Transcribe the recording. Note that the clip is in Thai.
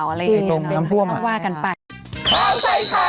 จริงน้ำกล้วม